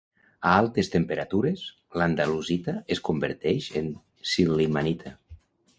A altes temperatures, l'andalusita es converteix en sil·limanita.